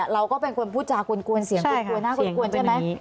เราก็เป็นคนพูดจากวนเสียงกวนน่ากวนใช่ไหม